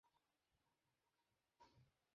আমি চেষ্টা করছি!